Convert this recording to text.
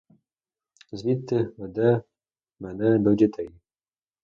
Звідти веде мене до дітей.